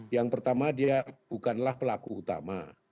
yang pertama dia bukanlah pelaku utama